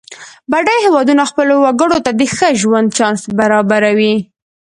بډایه هېوادونه خپلو وګړو ته د ښه ژوند چانس برابروي.